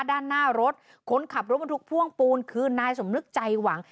ด้านหน้ารถคนขับรถบรรทุกพ่วงปูนคือนายสมนึกใจหวัง